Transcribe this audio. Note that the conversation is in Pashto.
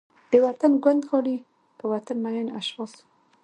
د وطن ګوند غړي، په وطن مین اشخاص وو.